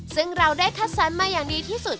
ซึ่งเราได้คัดสรรมาอย่างดีที่สุด